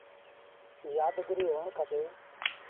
يآد گريٚ هوڻ کپي۔